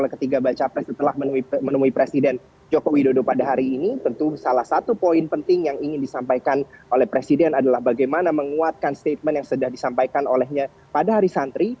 ketika baca pres setelah menemui presiden joko widodo pada hari ini tentu salah satu poin penting yang ingin disampaikan oleh presiden adalah bagaimana menguatkan statement yang sudah disampaikan olehnya pada hari santri